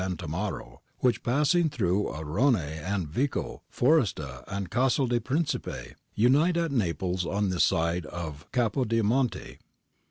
Tammaro, which passing through Arnone and Vico, Foresta and Casal di Principe, unite at Naples on the side of Capodimonte.